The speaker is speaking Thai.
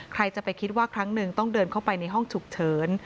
ใครจะไปคิดว่าครั้งหนึ่งต้องเดินเข้าไปในห้องฉุกเฉิน